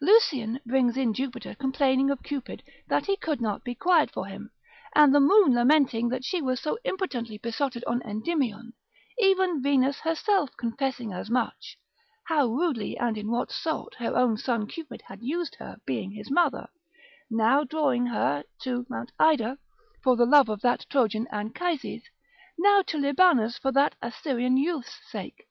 Lucian brings in Jupiter complaining of Cupid that he could not be quiet for him; and the moon lamenting that she was so impotently besotted on Endymion, even Venus herself confessing as much, how rudely and in what sort her own son Cupid had used her being his mother, now drawing her to Mount Ida, for the love of that Trojan Anchises, now to Libanus for that Assyrian youth's sake.